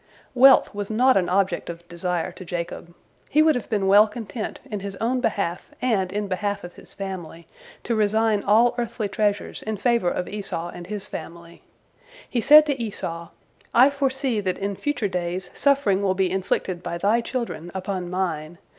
Wealth was not an object of desire to Jacob. He would have been well content, in his own behalf and in behalf of his family, to resign all earthly treasures in favor of Esau and his family. He said to Esau: "I foresee that in future days suffering will be inflicted by thy children upon mine.